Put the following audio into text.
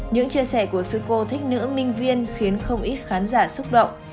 những chia sẻ của sự cô thích nữ minh viên khiến không ít khán giả xúc động